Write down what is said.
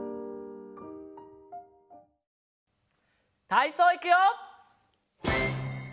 たいそういくよ！